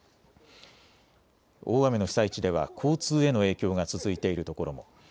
大雨の被災地では交通への影響が続いているところも。